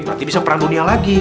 berarti bisa perang dunia lagi